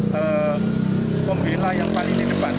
pembela yang paling di depan